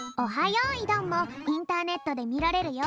よいどん」もインターネットでみられるよ。